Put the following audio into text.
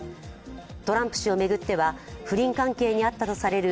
トランプ氏を巡っては不倫関係にあったとされる